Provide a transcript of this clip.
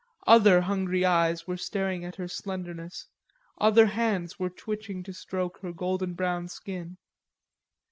Other hungry eyes were staring at her slenderness, other hands were twitching to stroke her golden brown skin.